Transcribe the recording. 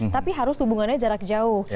tapi harus hubungannya jarak jauh